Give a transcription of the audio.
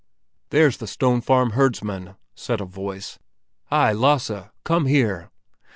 "There's the Stone Farm herdsman!" said a voice. "Hi, Lasse! Come here!"